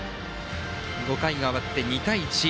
５回が終わって２対１。